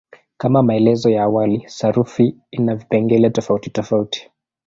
Kama maelezo ya awali, sarufi ina vipengele tofautitofauti.